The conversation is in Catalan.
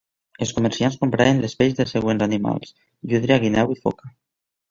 Els comerciants compraven les pells dels següents animals: llúdria, guineu i foca.